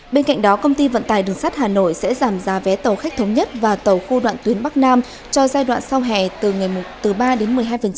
bên cạnh đó công ty vận tải đường sát hà nội sẽ giảm giá vé tàu khách thống nhất và tàu khu đoạn tuyến bắc nam cho giai đoạn sau hẻ từ ba đến một mươi hai